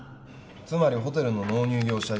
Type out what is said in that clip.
つまりホテルの納入業者いじめ。